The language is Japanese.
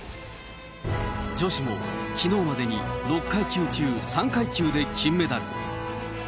女子もきのうまでに６階級中３階級で金メダル。